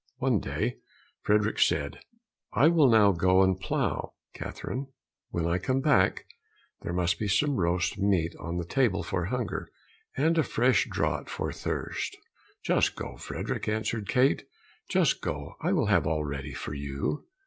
One day Frederick said, "I will now go and plough, Catherine; when I come back, there must be some roast meat on the table for hunger, and a fresh draught for thirst." "Just go, Frederick," answered Kate, "just go, I will have all ready for you."